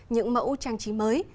những mẫu trang trí mới